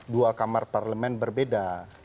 dua kamar parlemen berbeda